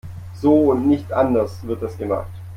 So und nicht anders wird es gemacht.